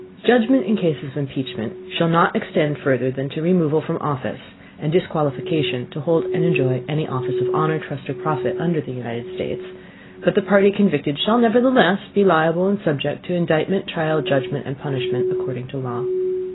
Judgment in cases of Impeachment shall not extend further than to removal from Office, and disqualification to hold and enjoy any Office of honor, Trust or Profit under the United States: but the Party convicted shall nevertheless be liable and subject to Indictment, Trial, Judgment and Punishment, according to Law.